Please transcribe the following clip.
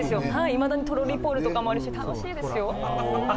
いまだにトロリーポールとかもあるし楽しいですよ。